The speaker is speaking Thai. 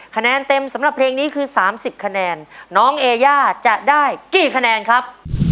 คะแนนเต็มสำหรับเพลงนี้คือ๓๐คะแนนน้องเอย่าจะได้กี่คะแนนครับ